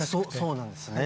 そうなんですね。